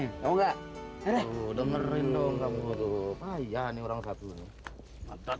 enggak dengerin dong kamu tuh payah nih orang satu mantetan